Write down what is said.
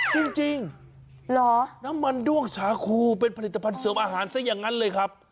จริงเหรอน้ำมันด้วงสาคูเป็นผลิตภัณฑ์เสริมอาหารซะอย่างนั้นเลยครับ